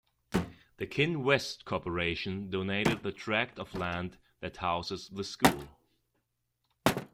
The Kinwest Corporation donated the tract of land that houses the school.